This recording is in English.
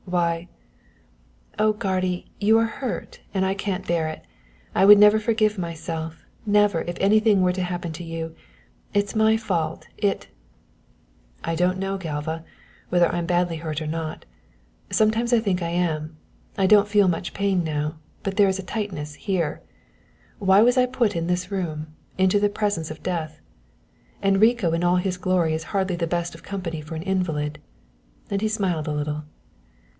Why " "Oh, guardy, you are hurt and I can't bear it. I would never forgive myself never, if anything were to happen to you. It is my fault it " "I don't know, Galva, whether I'm badly hurt or not sometimes I think I am. I don't feel much pain now but there is a tightness here. Why was I put in this room, into the presence of death? Enrico in all his glory is hardly the best of company for an invalid." And he smiled a little.